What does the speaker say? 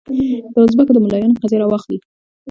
د اوزبکو د ملایانو قضیه راواخلې.